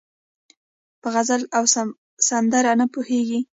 په غزل او په سندره نه پوهېږي